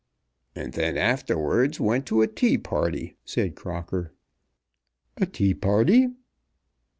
"And then afterwards went to a tea party," said Crocker. "A tea party!"